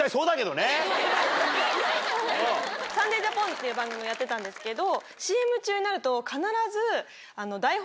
っていう番組をやってたんですけど。